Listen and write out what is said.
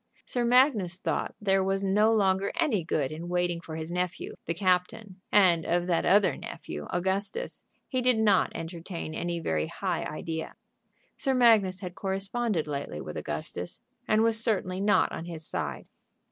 Sir Magnus thought there was no longer any good in waiting for his nephew, the captain, and of that other nephew, Augustus, he did not entertain any very high idea. Sir Magnus had corresponded lately with Augustus, and was certainly not on his side.